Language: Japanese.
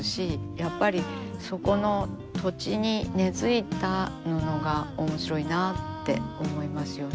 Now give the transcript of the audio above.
やっぱりそこの土地に根づいた布が面白いなあって思いますよね。